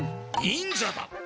忍者だ！